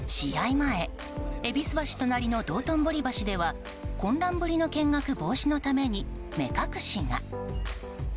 前、戎橋隣の道頓堀橋では混乱ぶりの見学防止のために目隠しが。